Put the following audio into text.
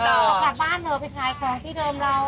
เราออกกลับบ้านเลยลองไปท้ายแค้นที่เติมแล้ว